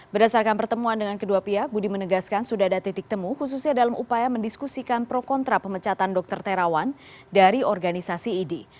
berdasarkan pertemuan dengan kedua pihak budi menegaskan sudah ada titik temu khususnya dalam upaya mendiskusikan pro kontra pemecatan dokter terawan dari organisasi idi